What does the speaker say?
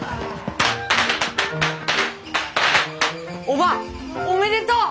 おばぁおめでとう！